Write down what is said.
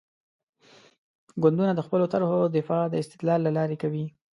ګوندونه د خپلو طرحو دفاع د استدلال له لارې کوي.